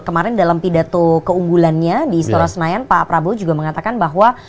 kemarin dalam pidato keunggulannya di istora senayan pak prabowo juga mengatakan bahwa